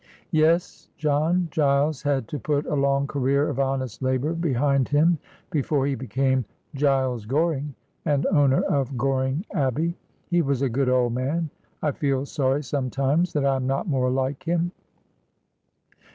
'' Yes, John Giles had to put a long career of honest labour behind him, before he became Giles Goring and owner of Goring Abbey. He was a good old man. I feel sorry sometimes that I am not more like him.'